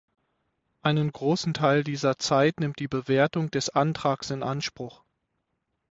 Einen großen Teil dieser Zeit nimmt die Bewertung des Antrags in Anspruch.